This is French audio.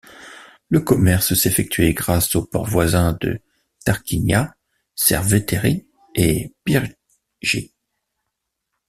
Le commerce s'effectuait grâce aux ports voisins de Tarquinia, Cerveteri et Pyrgi.